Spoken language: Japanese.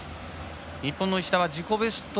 日本の石田は自己ベスト